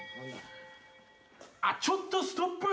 「あっちょっとストップ！」